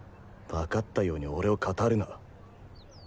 わかったように俺を語るな。